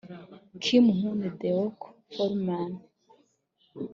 Kim Hyun Deok Foreman